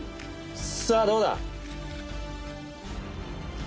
「さあどうだ？」